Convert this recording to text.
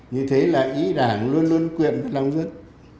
như thế là ý đảng luôn luôn quyện với lòng dân